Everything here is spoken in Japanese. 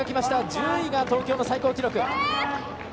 １０位が東京の最高記録。